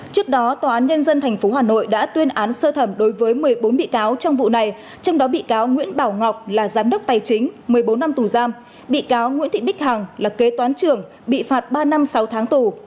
trước đó tòa án nhân dân tp hà nội đã tuyên án sơ thẩm đối với một mươi bốn bị cáo trong vụ này trong đó bị cáo nguyễn bảo ngọc là giám đốc tài chính một mươi bốn năm tù giam bị cáo nguyễn thị bích hằng là kế toán trưởng bị phạt ba năm sáu tháng tù